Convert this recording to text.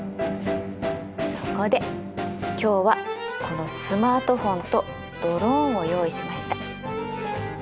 そこで今日はこのスマートフォンとドローンを用意しました。